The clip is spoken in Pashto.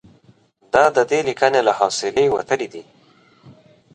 دا د دې لیکنې له حوصلې وتلي دي.